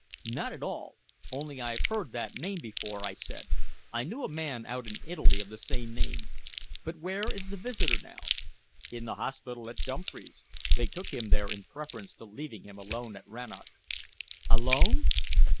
"Not at all. Only I've heard that name before," I said. "I knew a man out in Italy of the same name. But where is the visitor now?" "In the hospital at Dumfries. They took him there in preference to leaving him alone at Rannoch." "Alone?"